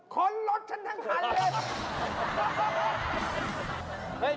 คนรถฉันทั้งคันเลย